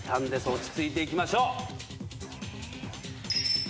落ち着いていきましょう。